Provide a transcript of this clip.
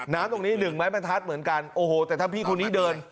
ตรงนี้หนึ่งไม้บรรทัดเหมือนกันโอ้โหแต่ถ้าพี่คนนี้เดิน